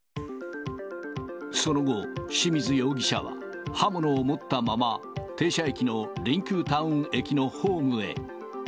その後、清水容疑者は刃物を持ったまま、停車駅のりんくうタウン駅のホームへ。